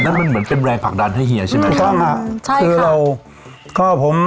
อุ้ยแต่นั่นมันเหมือนเป็นแรงผลังดันให้เฮียใช่ไหมคุณฟังฮะใช่ค่ะ